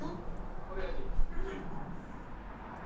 これが秘技です。